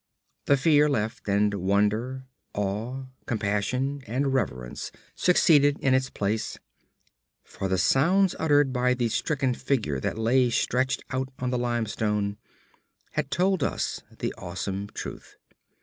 The fear left, and wonder, awe, compassion, and reverence succeeded in its place, for the sounds uttered by the stricken figure that lay stretched out on the limestone had told us the awesome truth.